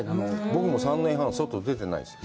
僕も３年半、外に出てないです。